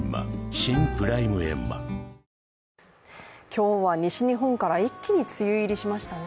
今日は西日本から一気に梅雨入りしましたね。